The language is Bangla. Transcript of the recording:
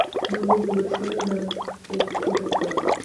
মন্দিরগুলি সুন্দরভাবে নির্মিত এবং খোদাই করা।